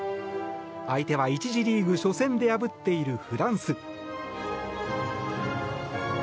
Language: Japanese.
相手は１次リーグ初戦で破っているフランス。